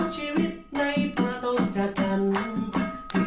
เมื่อมีก่อนคืนคนเผาปากลุกจากไฟ